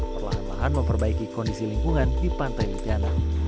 perlahan lahan memperbaiki kondisi lingkungan di pantai mutiana